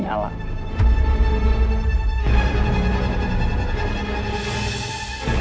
mereka mengetahui soal agus rimba